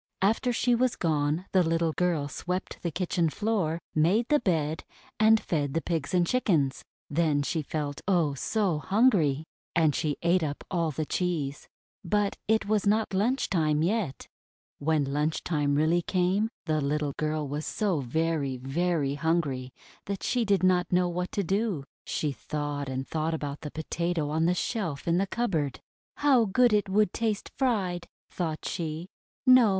After she was gone the little girl swept the kitchen floor, made the bed, and fed the Pigs and Chickens. Then she felt, oh! so hungry! And she ate up all the cheese. But it was not lunch time yet. When lunch time really came, the little girl was so very, very hungry that she did not know what to do. She thought and thought about the Potato on the shelf in the cupboard. "How good it would taste fried!' thought she. :'No!